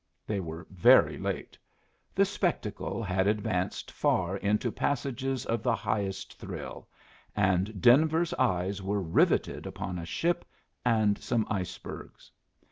They were very late. The spectacle had advanced far into passages of the highest thrill, and Denver's eyes were riveted upon a ship and some icebergs.